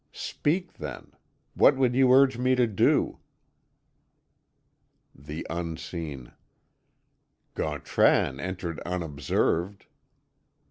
Speak, then; what would you urge me to do?" The Unseen: "Gautran entered unobserved."